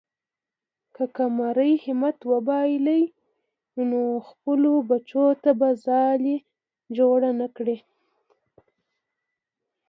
که قمرۍ همت وبایلي، نو خپلو بچو ته به ځالۍ جوړه نه کړي.